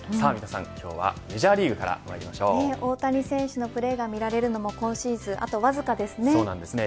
今日はメジャーリーグから大谷選手のプレーが見られるのも今シーズン、あとわずかですね。